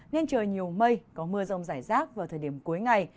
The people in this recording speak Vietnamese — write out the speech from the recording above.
nên trời nhiều mây có mưa rông rải rác vào thời điểm cuối ngày